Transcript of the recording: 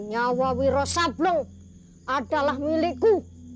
tapi nyawa wira sablong adalah milikku